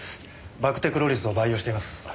バクテクロリスを培養しています。